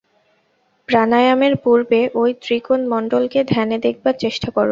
প্রাণায়ামের পূর্বে ঐ ত্রিকোণ-মণ্ডলকে ধ্যানে দেখবার চেষ্টা কর।